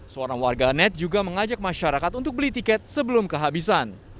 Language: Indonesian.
seorang warga net juga mengajak masyarakat untuk beli tiket sebelum kehabisan